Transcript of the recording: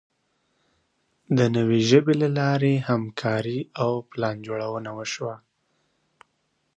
د نوې ژبې له لارې همکاري او پلانجوړونه وشوه.